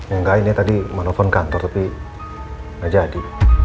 enggak ini tadi mau telepon kantor tapi nggak jadi